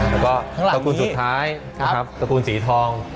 แล้วก็ตระกูลสุดท้ายนะครับตระกูลสีทอง